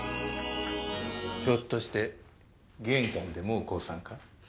ひょっとして玄関でもう降参か？